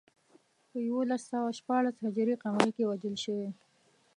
په یولس سوه شپاړس هجري قمري کې وژل شوی.